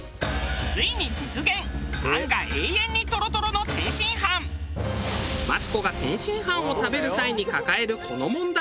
ついに実現マツコが天津飯を食べる際に抱えるこの問題。